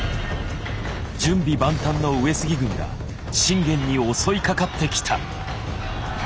準備万端の上杉軍が信玄に襲いかかってきた！